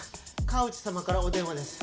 河内様からお電話です。